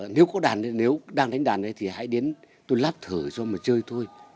nếu có đàn đấy nếu đang đánh đàn đấy thì hãy đến tôi lắp thử cho mà chơi thôi